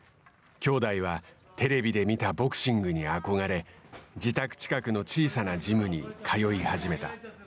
兄弟はテレビで見たボクシングに憧れ自宅近くの小さなジムに通い始めた。